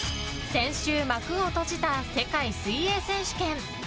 先週、幕を閉じた世界水泳選手権。